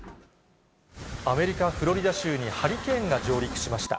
アメリカ・フロリダ州にハリケーンが上陸しました。